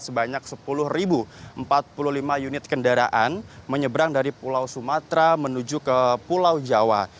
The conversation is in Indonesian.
sebanyak sepuluh empat puluh lima unit kendaraan menyeberang dari pulau sumatera menuju ke pulau jawa